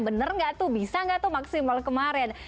bener nggak tuh bisa nggak tuh maksimal kemarin